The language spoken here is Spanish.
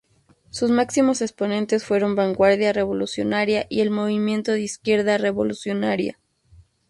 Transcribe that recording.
Sus máximos exponentes fueron Vanguardia Revolucionaria y el Movimiento de Izquierda Revolucionaria.